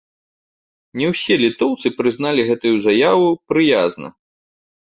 Ня ўсе літоўцы прынялі гэтую заяву прыязна.